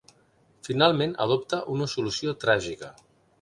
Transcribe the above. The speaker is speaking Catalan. Finalment, adopta una solució tràgica.